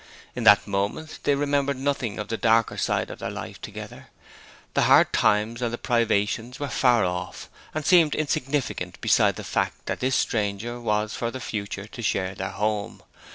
In that moment they remembered nothing of the darker side of their life together. The hard times and the privations were far off and seemed insignificant beside the fact that this stranger was for the future to share their home.